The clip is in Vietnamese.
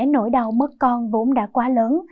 nỗi đau mất con vốn đã quá lớn